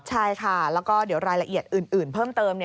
ใช่ค่ะแล้วก็เดี๋ยวรายละเอียดอื่นเพิ่มเติม